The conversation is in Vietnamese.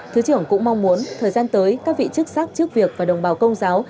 thứ trưởng cũng mong muốn thời gian tới các vị chức sắc trước việc và đồng bào công giáo